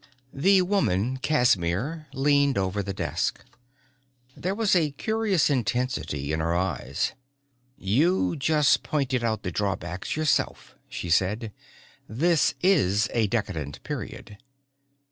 The woman, Casimir, leaned over the desk. There was a curious intensity in her eyes. "You just pointed out the drawbacks yourself," she said. "This is a decadent period."